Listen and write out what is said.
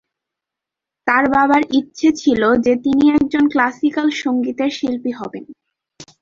তার বাবার ইচ্ছে ছিল যে তিনি একজন ক্লাসিক্যাল সংগীতের শিল্পী হবেন।